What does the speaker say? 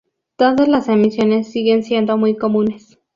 Todas las emisiones siguen siendo muy comunes.